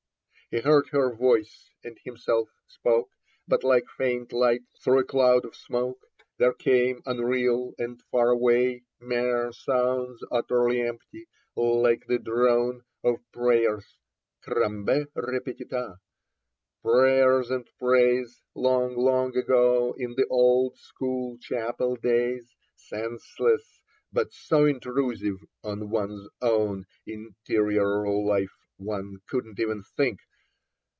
He heard her voice and himself spoke, But like faint light through a cloud of smoke, There came, unreal and far away, Mere sounds utterly empty — like the drone Of prayers, cramhe repetita, prayers and praise. Long, long ago, in the old School Chapel days ; Senseless, but so intrusive on one's own Interior life one couldn't even think